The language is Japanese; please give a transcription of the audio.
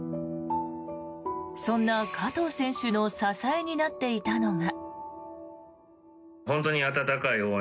そんな加藤選手の支えになっていたのが。